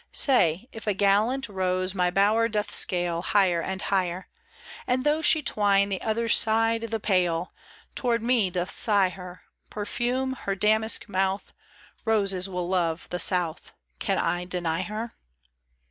i8 SAY, if a gallant rose my bower doth scale, Higher and higher. And, the' she twine the other side the pale. Toward me doth sigh her Perfume, her damask mouth — Roses will love the south — Can I deny her